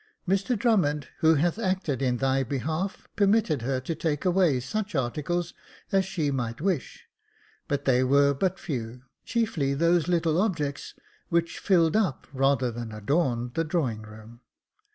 Mr Drummond, who hath acted in thy behalf, permitted her to take away such articles as she might wish, but they were but few, chiefly those little objects which filled up rather 388 Jacob Faithful than adorned the drawing room.